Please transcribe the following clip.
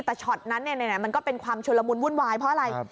แต่ช็อตนั้นมันก็เป็นความชุลมุนวุ่นวายเพราะอะไร